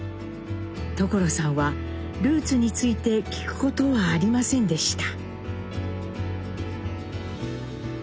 所さんはルーツについて聞くことはありませんでした。